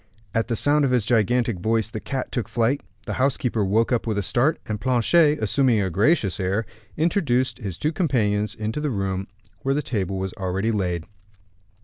At the sound of this gigantic voice, the cat took flight, the housekeeper woke up with a start, and Planchet, assuming a gracious air, introduced his two companions into the room, where the table was already laid.